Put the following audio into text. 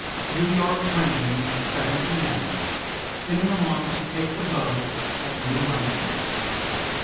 New York Train Seven P. M. Spinning along to take the boat at New London.